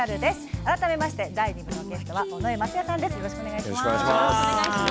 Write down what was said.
改めまして第２部のゲストは尾上松也さんです。